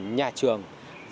hai nhà trường